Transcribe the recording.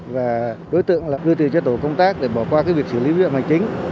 và đối tượng đưa tiền cho tổ công tác để bỏ qua việc xử lý viện hành chính